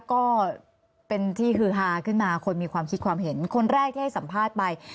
ก็เป็นที่ฮือฮาขึ้นมาคนมีความคิดความเห็นคนแรกที่ให้สัมภาษณ์ไป